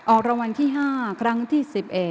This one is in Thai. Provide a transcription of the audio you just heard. ออกรางวัลที่๕ครั้งที่๑๑